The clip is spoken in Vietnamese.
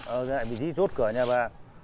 ở vị trí chốt cửa nhà bà